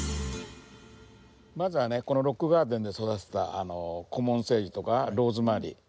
まずはねこのロックガーデンで育てたあのコモンセージとかローズマリー。